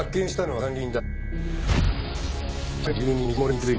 はい！